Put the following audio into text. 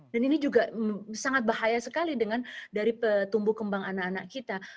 dan ini juga sangat bahaya sekali dengan dari petumbuh kembang anak anak kita